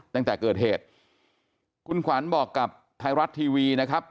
ตั้งแต่เกิดเหตุคุณขวัญบอกกับไทยรัฐทีวีนะครับ